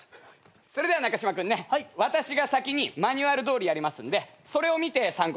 それでは中嶋君ね私が先にマニュアルどおりやりますんでそれを見て参考にしてください。